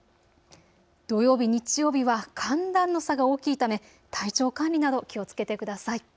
土曜日、日曜日は寒暖の差が大きいため体調管理など気をつけてください。